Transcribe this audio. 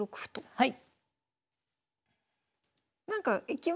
はい。